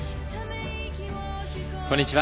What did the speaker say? こんにちは。